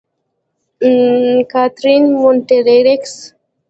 کاترین: مونټریکس.